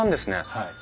はい。